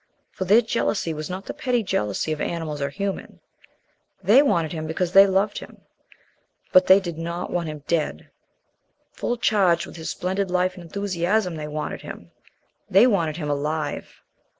For their jealousy was not the petty jealousy of animals or humans. They wanted him because they loved him, but they did _ not_ want him dead. Full charged with his splendid life and enthusiasm they wanted him. They wanted him alive.